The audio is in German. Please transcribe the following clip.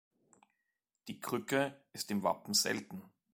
Die Krücke ist im Wappen selten.